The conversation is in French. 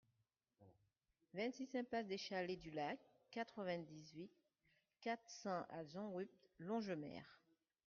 vingt-six impasse des Chalets du Lac, quatre-vingt-huit, quatre cents à Xonrupt-Longemer